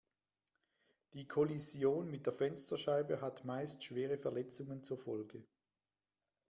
Die Kollision mit der Fensterscheibe hat meist schwere Verletzungen zur Folge.